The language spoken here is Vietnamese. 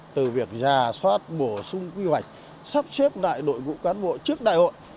từ việc giả soát bổ sung quy hoạch sắp xếp đại đội vụ cán bộ trước đại hội